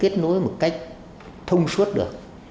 chúng ta không có một cách thông suốt được